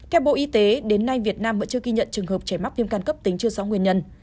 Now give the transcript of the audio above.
theo bộ y tế đến nay việt nam vẫn chưa ghi nhận trường hợp trẻ mắc viêm căn cấp tính chưa sáu nguyên nhân